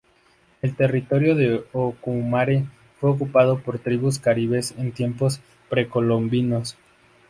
El territorio de Ocumare fue ocupado por tribus caribes en tiempos precolombinos.